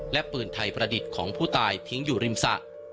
และปืนไทยประดิษฐ์ของผู้ตายทิ้งอยู่ริมสระ